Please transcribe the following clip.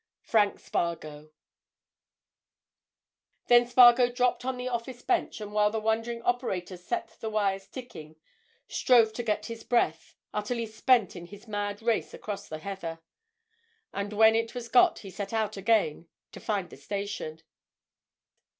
_ Frank Spargo. Then Spargo dropped on the office bench, and while the wondering operator set the wires ticking, strove to get his breath, utterly spent in his mad race across the heather. And when it was got he set out again—to find the station.